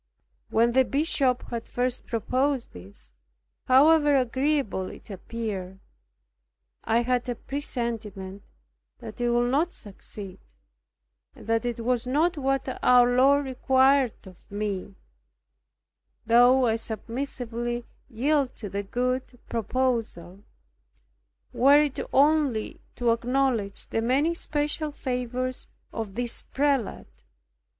When the Bishop had first proposed this, however agreeable it appeared, I had a presentiment that it would not succeed, and that it was not what our Lord required of me, though I submissively yielded to the good proposal, were it only to acknowledge the many special favours of this prelate.